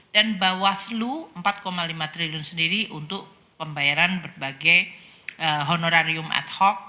dan bawaslu empat lima triliun sendiri untuk pembayaran berbagai honorarium ad hoc